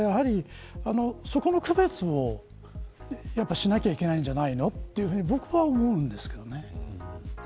そこの区別をやはりしなければいけないんじゃないのと僕は思うんですけどね。